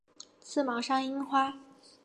刺毛山樱花